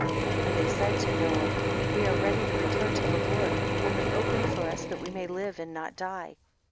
And they said to Noah, we are ready to return to the Lord ; only open for us that we may live and not die.